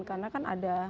karena kan ada